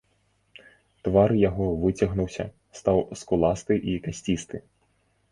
Твар яго выцягнуўся, стаў скуласты і касцісты.